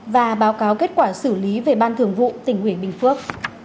và báo cáo kết quả xử lý về ban thường vụ tỉnh ủy bình phước